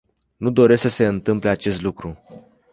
Nu doresc să se întâmple acest lucru.